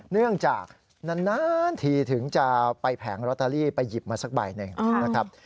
เนื่องจากนานทีถึงจะไปแผงลอตเตอรี่ไปหยิบมาสักใบหนึ่งนะครับ